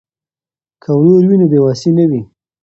که ورور وي نو بې وسي نه وي.